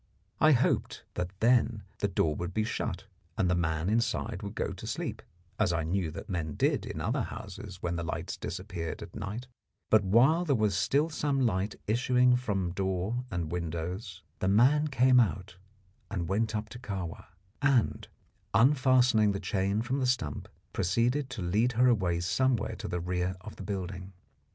I hoped that then the door would be shut, and the man inside would go to sleep, as I knew that men did in other houses when the lights disappeared at night; but while there was still some light issuing from door and windows the man came out and went up to Kahwa, and, unfastening the chain from the stump, proceeded to lead her away somewhere to the rear of the building.